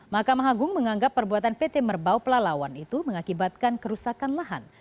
mahkamah agung menganggap perbuatan pt merbau pelalawan itu mengakibatkan kerusakan lahan